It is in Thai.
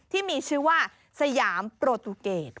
ที่มีชื่อว่าสยามโปรตูเกต